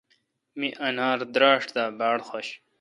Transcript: می انار دراݭ دا بارخوش نے۔